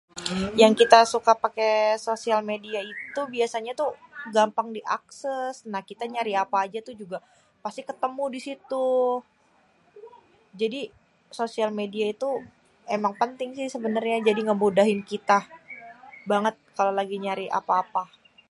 Yang kita suka paké sosial media itu biasanya tu gampang diakses. Nah, kita tuh nyari apa aja tuh juga pasti ketemu di situ. Jadi sosial media itu emang penting sih sebenenernya. Jadi ngemudahin kita banget kalo lagi nyari apa-apa.